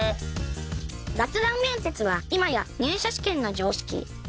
雑談面接は今や入社試験の常識